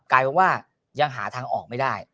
กลายเป็นว่ายังหาทางออกไม่ได้